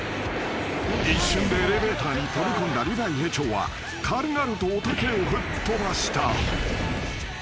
［一瞬でエレベーターに飛び込んだリヴァイ兵長は軽々とおたけを吹っ飛ばした］